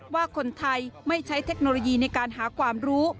ว่าคนไทยไม่ใช้เทคโนโลยีในการหาความรู้